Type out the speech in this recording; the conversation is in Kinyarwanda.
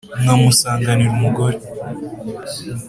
nkamusanga rno umugore